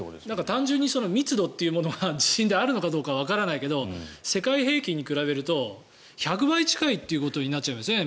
単純に密度というものが地震であるのかわからないけど世界平均に比べると１００倍近いということになっちゃいますね。